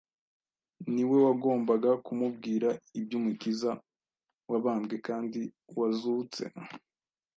ni we wagombaga kumubwira iby’Umukiza wabambwe kandi wazutse.